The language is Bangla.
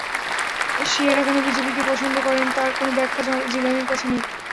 শিয়ারা কেন বিজেপিকে পছন্দ করেন, তার কোনো ব্যাখ্যা জিলানির কাছে নেই।